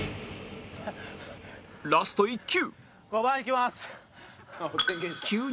ラスト１球